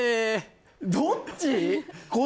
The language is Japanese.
どっち？